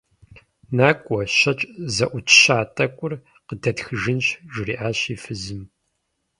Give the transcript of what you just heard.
НакӀуэ, щэкӀ зэӀутща тӀэкӀур къыдэтхыжынщ, - жриӏащ и фызым.